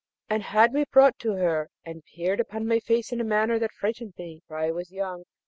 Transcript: and had me brought to her, and peered upon my face in a manner that frightened me, for I was young.